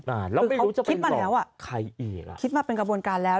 คือเขาคิดมาแล้วอ่ะคิดมาเป็นกระบวนการแล้ว